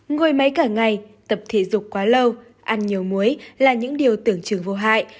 ngồi mấy cả ngày tập thể dục quá lâu ăn nhiều muối là những điều tưởng chừng vô hại